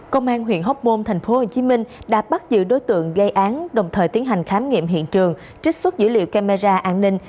công an huyện hóc môn tp hcm đã bắt giữ đối tượng gây án đồng thời tiến hành khám nghiệm hiện trường trích xuất dữ liệu camera an ninh